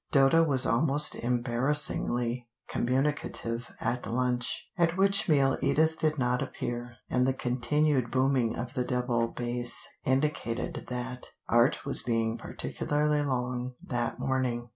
Dodo was almost embarrassingly communicative at lunch, at which meal Edith did not appear, and the continued booming of the double bass indicated that Art was being particularly long that morning.